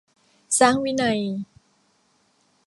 สร้างวินัย